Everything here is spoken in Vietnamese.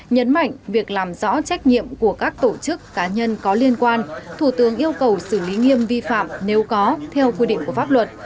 nhấn mạnh việc làm rõ trách nhiệm của các tổ chức cá nhân có liên quan thủ tướng yêu cầu xử lý nghiêm vi phạm nếu có theo quy định của pháp luật